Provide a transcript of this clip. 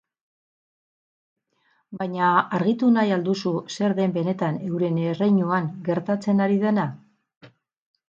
Baina argitu nahi al duzu zer den benetan euren erreinuan gertatzen ari dena?